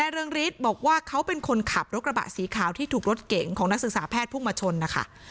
รถกระบะสีขาวที่ถูกรดเก๋งของนักศึกษาแพทย์ผู้มชนนะคะ